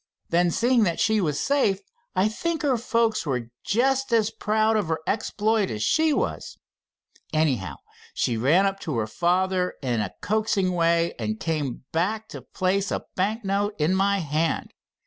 Then, seeing that she was safe, I think her folks were just as proud of her exploit as she was. Anyhow, she ran up to her father in a coaxing way, and came back to place a bank note in my hand.